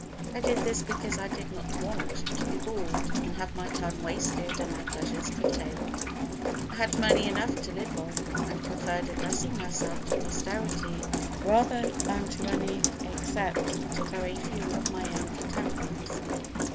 I did this because I did not want to be bored and have my time wasted and my pleasures curtailed. I had money enough to live on, and preferred addressing myself to posterity rather than to any except a very few of my own contemporaries.